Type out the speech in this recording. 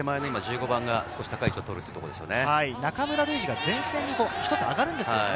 中村ルイジが前線へと１つ上がるんですよね。